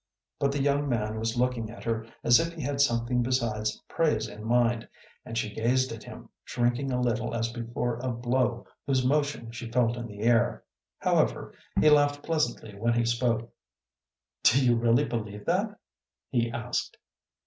But the young man was looking at her as if he had something besides praise in mind, and she gazed at him, shrinking a little as before a blow whose motion she felt in the air. However, he laughed pleasantly when he spoke. "Do you really believe that?" he asked.